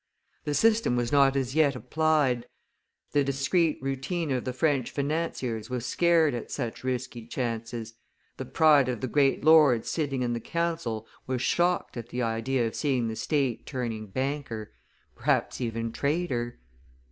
The system was not as yet applied; the discreet routine of the French financiers was scared at such risky chances, the pride of the great lords sitting in the council was shocked at the idea of seeing the state turning banker, perhaps even trader.